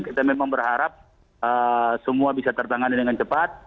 kita memang berharap semua bisa tertangani dengan cepat